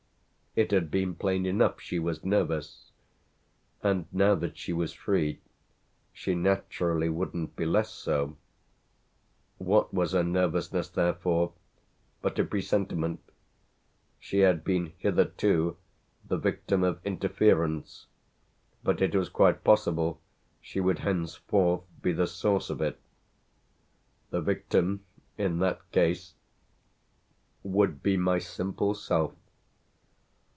It had been plain enough she was nervous, and now that she was free she naturally wouldn't be less so. What was her nervousness therefore but a presentiment? She had been hitherto the victim of interference, but it was quite possible she would henceforth be the source of it. The victim in that case would be my simple self.